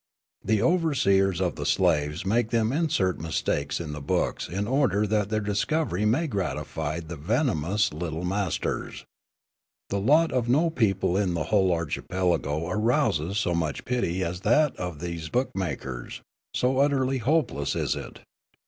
The overseers of the slaves make them insert mistakes in the books in order that their discovery may gratify the venomous little mas ters. The lot of no people in the whole archipelago arouses so much pity as that of these book makers, so utterly hopeless is it.